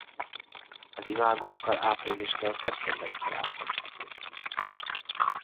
Az imágókkal áprilistól szeptemberig találkozhatunk.